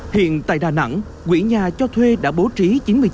hiện tại đà nẵng quỹ nhà cho thuê đã bố trí chín mươi chín